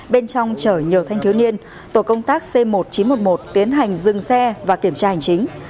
bên trong chở nhiều thanh thiếu niên tổ công tác c một nghìn chín trăm một mươi một tiến hành dừng xe và kiểm tra hành chính